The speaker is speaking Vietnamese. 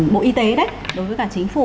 bộ y tế đấy đối với cả chính phủ